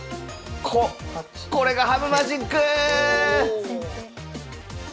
ここれが羽生マジック！